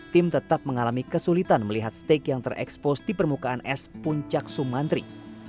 tim tetap mengalami kesulitan melihat steak yang terekspos di permukaan es puncak sumantri